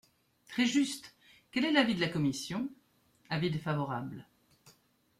Très juste ! Quel est l’avis de la commission ? Avis défavorable.